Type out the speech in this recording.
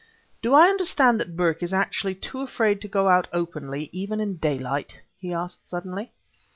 "Do I understand that Burke is actually too afraid to go out openly even in daylight?" he asked suddenly.